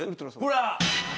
ほら！